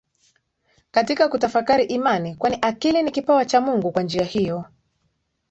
katika kutafakari imani kwani akili ni kipawa cha Mungu Kwa njia hiyo